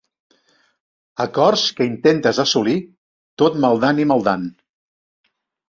Acords que intentes assolir tot maldant i maldant.